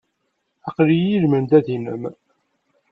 Aql-iyi i lmendad-nnem.